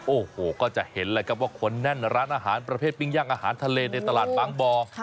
โอ้โหก็จะเห็นเลยครับว่าคนแน่นร้านอาหารประเภทปิ้งย่างอาหารทะเลในตลาดบางบ่อ